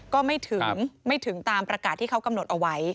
ก็ไม่ถึงไม่ถึงตามประกาศที่เขากำหนดเอาไว้